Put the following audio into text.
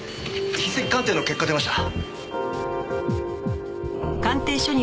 筆跡鑑定の結果出ました。